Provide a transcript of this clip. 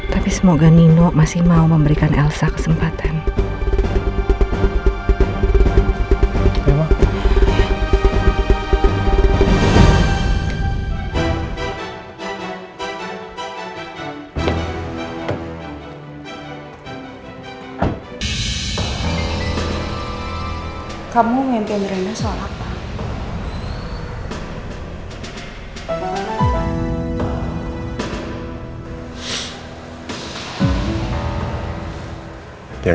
tapi semoga nino masih mau memberikan elsa kesempatan